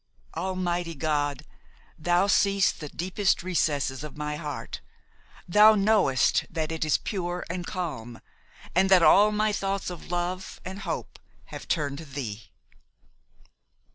Almighty God! Thou seest the deepest recesses of my heart; Thou knowest that it is pure and calm, and that all my thoughts of love and hope have turned to Thee."